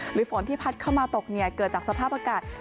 หรือฝนที่พัดเข้ามาถูกเนี่ยเกิดจากสภาพอากาศ